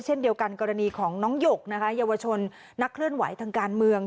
เช่นเดียวกันกรณีของน้องหยกนะคะเยาวชนนักเคลื่อนไหวทางการเมือง